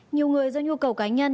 nhiều người do nhu cầu cá nhân